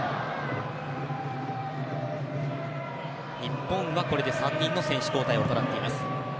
日本は、これで３人の選手交代を行っています。